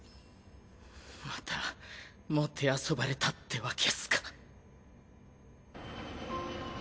またもてあそばれたってわけっすか。